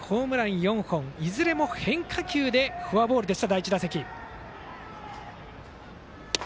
第１打席は、いずれも変化球でフォアボールでした。